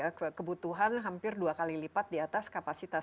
karena kebutuhan hampir dua kali lipat di atas kapasitas